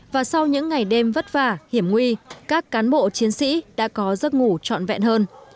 và sau những ngày đêm vất vả hiểm nguy các cán bộ chiến sĩ đã có giấc ngủ trọn vẹn hơn